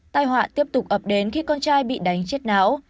tai họa tiếp tục ập đến khi con trai bị đánh chết não